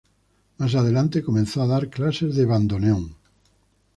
Más adelante, comenzó a dar clases de bandoneón.